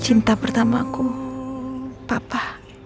cinta pertama aku papa